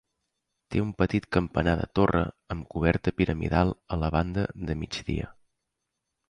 Té un petit campanar de torre amb coberta piramidal a la banda de migdia.